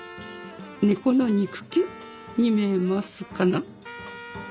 猫の肉球に見えますかな？